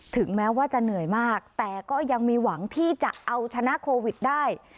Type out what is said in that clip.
ถึงแม้ว่าจะเหนื่อยมากแต่ก็ยังมีหวังที่จะเอาชนะโควิดได้